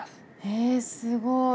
へえすごい。